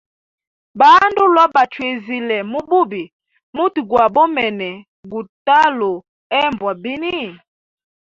Bandu lwa bachwizile mu bubi, muti gwa bomene gutalu hembwa bini?